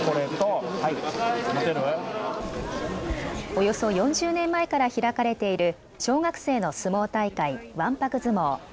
およそ４０年前から開かれている小学生の相撲大会、わんぱく相撲。